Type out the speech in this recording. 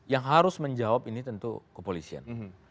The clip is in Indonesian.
yang harus menjawab ini tentu kepolisian